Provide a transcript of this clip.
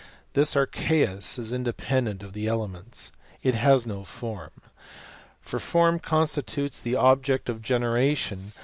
This archeus is independent of the elements ; it has no form ; for form constitutes the object of generation.